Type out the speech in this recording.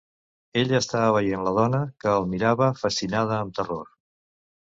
Ella estava veient la dona, que el mirava fascinada amb terror.